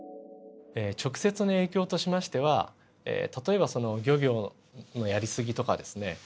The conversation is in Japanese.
直接の影響としましては例えば漁業のやり過ぎとかですね